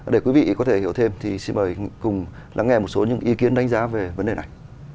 để quý vị có thể hiểu thêm thì xin mời cùng lắng nghe một số những ý kiến đánh giá về vấn đề này